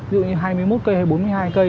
ví dụ như hai mươi một cây hay bốn mươi hai cây